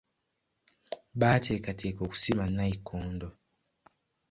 Baateekateeka okusima nnayikondo.